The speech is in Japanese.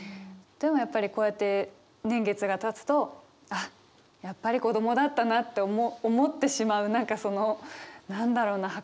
でもやっぱりこうやって年月がたつとあっやっぱり子供だったなって思ってしまう何かその何だろうな？